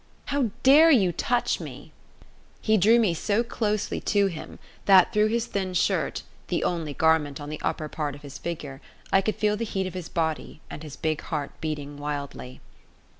"How dare you touch me!" He drew me so closely to him that, through his thin shirt the only garment on the upper part of his figure I could feel the heat of his body, and his big heart beating wildly.